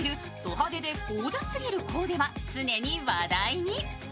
派手でゴージャスすぎるコーデは常に話題に。